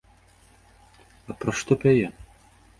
А пра што пяе?